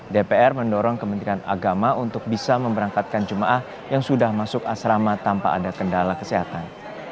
dpr mendorong kementerian agama untuk bisa memberangkatkan jemaah yang sudah masuk asrama tanpa ada kendala kesehatan